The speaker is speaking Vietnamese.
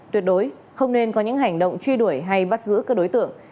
tuyệt đối không nên có những hành động truy đuổi hay bắt giữ các đối tượng